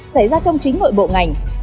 xảy ra trong chính nội bộ ngành